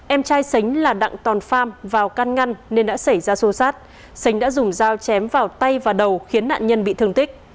em trai sánh là đặng tòn pham vào căn ngăn nên đã xảy ra xô xát sánh đã dùng dao chém vào tay và đầu khiến nạn nhân bị thương tích